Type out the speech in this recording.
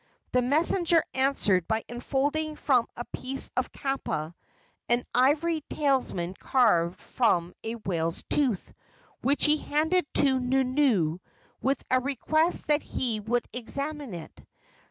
The messenger answered by unfolding from a piece of kapa an ivory talisman carved from a whale's tooth, which he handed to Nunu, with a request that he would examine it.